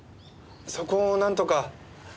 そこをなんとか。